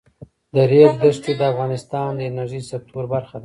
د ریګ دښتې د افغانستان د انرژۍ سکتور برخه ده.